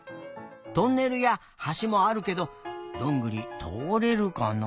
トンネルやはしもあるけどどんぐりとおれるかな？